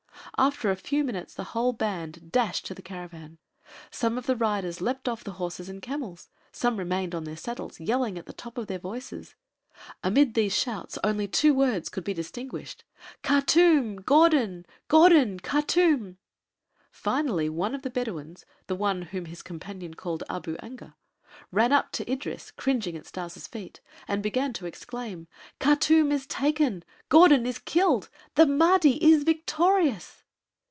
After a few minutes the whole band dashed to the caravan. Some of the riders leaped off the horses and camels; some remained on their saddles, yelling at the top of their voices. Amid these shouts only two words could be distinguished. "Khartûm! Gordon! Gordon! Khartûm!" Finally one of the Bedouins the one whom his companion called Abu Anga ran up to Idris cringing at Stas' feet, and began to exclaim: "Khartûm is taken! Gordon is killed! The Mahdi is victorious!"